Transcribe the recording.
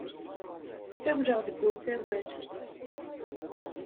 Ssawleɣ deg usawal.